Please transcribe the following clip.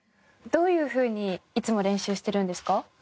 どういうふうにいつも練習してるんですか？